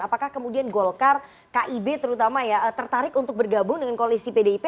apakah kemudian golkar kib terutama ya tertarik untuk bergabung dengan koalisi pdip